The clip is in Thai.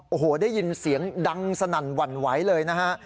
โอ้โหได้ยินเสียงดังสนั่นหวั่นไหวเลยนะฮะ